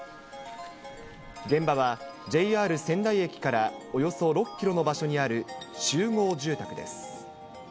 現場はＪＲ仙台駅からおよそ６キロの場所にある集合住宅です。